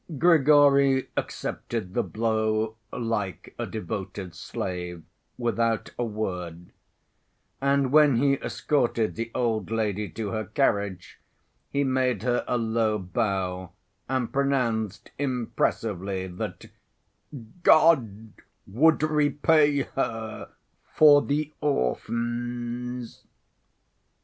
Grigory accepted the blow like a devoted slave, without a word, and when he escorted the old lady to her carriage he made her a low bow and pronounced impressively that, "God would repay her for the orphans."